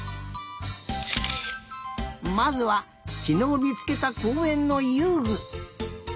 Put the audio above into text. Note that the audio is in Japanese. まずはきのうみつけたこうえんのゆうぐ。